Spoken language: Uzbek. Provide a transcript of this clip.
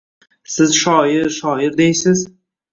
Siz shoir-shoir deysiz.